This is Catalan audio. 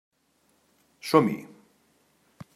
Som-hi!